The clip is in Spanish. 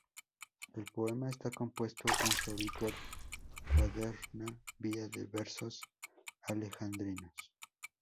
El poema está compuesto en su habitual cuaderna vía de versos alejandrinos.